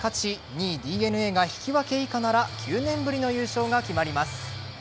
２位・ＤｅＮＡが引き分け以下なら９年ぶりの優勝が決まります。